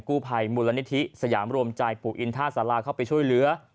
กู้ภัยมูลนิธิสยามรวมใจปู่อินท่าสาราเข้าไปช่วยเหลือ